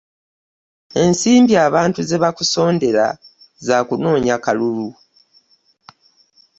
Ensimbi abantu ze baakusondera za kunoonya kalulu.